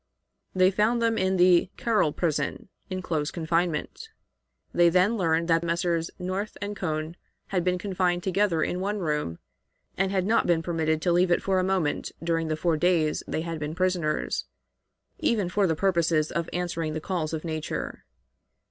They found them in the 'Carroll Prison,' in close confinement. They then learned that Messrs. North and Cohn had been confined together in one room, and had not been permitted to leave it for a moment during the four days they had been prisoners, even for the purposes of answering the calls of nature.